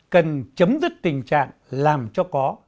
cần chấm dứt tình trạng làm cho có